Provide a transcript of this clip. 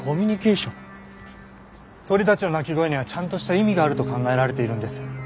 鳥たちの鳴き声にはちゃんとした意味があると考えられているんです。